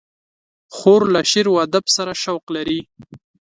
خور له شعر و ادب سره شوق لري.